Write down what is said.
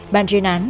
bàn truyền án